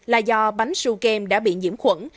là do bánh sưu kem đã bị nhiễm khuẩn